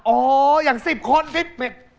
โอ้อย่างสิบคนครี่ป์เม็ด